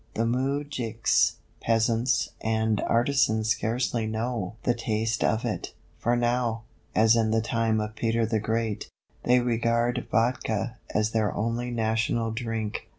The moujiks, peasants, and artisans scarcely know the taste of it, for now, as in the time of Peter the Great, they regard vodká as their only national drink.